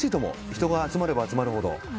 人が集まれば集まるほど。